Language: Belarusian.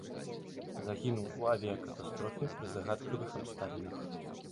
Загінуў у авіякатастрофе пры загадкавых абставінах.